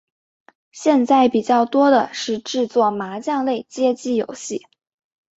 现在比较多的是制作麻将类街机游戏。